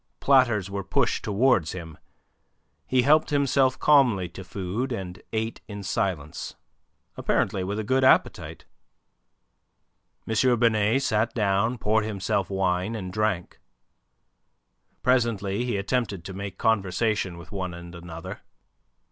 Platters were pushed towards him. He helped himself calmly to food, and ate in silence, apparently with a good appetite. M. Binet sat down, poured himself wine, and drank. Presently he attempted to make conversation with one and another.